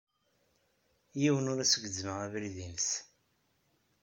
Yiwen ur as-gezzmeɣ abrid-nnes.